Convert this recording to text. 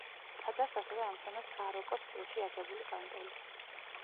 ტაძარს ასევე ამშვენებს ბაროკოს სტილში აგებული კანკელი.